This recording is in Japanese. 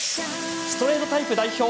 ストレートタイプ代表